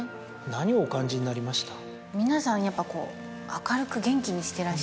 何をお感じになりました？